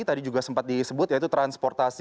tadi juga sempat disebut yaitu transportasi